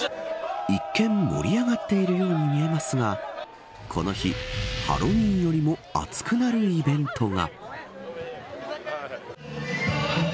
一見盛り上がっているように見えますがこの日、ハロウィーンよりも熱くなるイベントが。